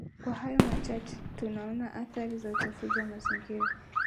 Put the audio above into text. Kwa hayo machache tunaona athari za uchafuzi wa mazingira